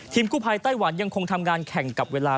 กู้ภัยไต้หวันยังคงทำงานแข่งกับเวลา